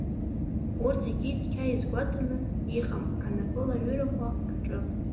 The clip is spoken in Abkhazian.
Урҭ зегьы цқьа иазгәаҭаны иҟам анапылаҩырақәа рҿы.